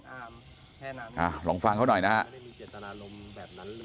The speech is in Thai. อ่าลองฟังเขาหน่อยนะครับ